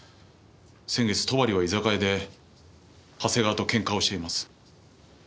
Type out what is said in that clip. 先月戸張は居酒屋で長谷川とケンカをしています。